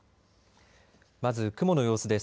まず雲の様子です。